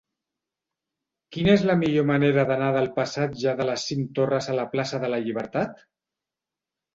Quina és la millor manera d'anar del passatge de les Cinc Torres a la plaça de la Llibertat?